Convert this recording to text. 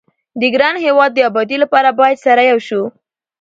د ګران هيواد دي ابادي لپاره بايد سره يو شو